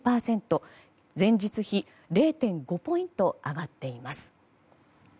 前日比０．５ポイント上がっています。